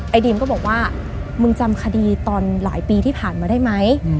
ดีมก็บอกว่ามึงจำคดีตอนหลายปีที่ผ่านมาได้ไหม